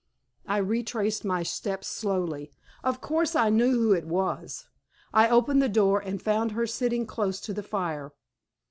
I retraced my steps slowly. Of course I knew who it was. I opened the door, and found her sitting close to the fire.